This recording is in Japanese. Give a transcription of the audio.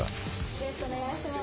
よろしくお願いします。